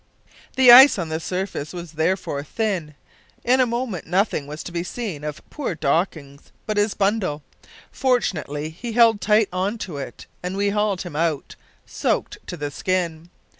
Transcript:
The ice on the surface was therefore thin; in a moment nothing was to be seen of poor Dawkins but his bundle! Fortunately he held tight on to it, and we hauled him out, soaked to the skin.